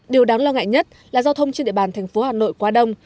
điều đáng lo ngại nhất là giao thông trên địa bàn thành phố hà nội quá đông